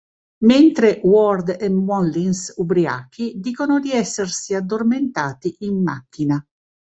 Mentre Ward e Mullins, ubriachi, dicono di essersi addormentati in macchina.